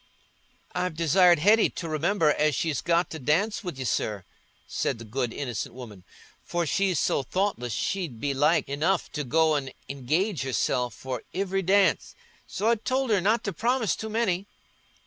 "I've desired Hetty to remember as she's got to dance wi' you, sir," said the good innocent woman; "for she's so thoughtless, she'd be like enough to go an' engage herself for ivery dance. So I told her not to promise too many."